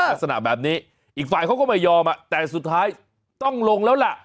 ลักษณะแบบนี้อีกฝ่ายเขาก็ไม่ยอมแต่สุดท้ายต้องลงแล้วล่ะ